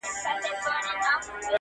د ترافيکو موټر٬ يو روسی جيپ ئې مخ ته و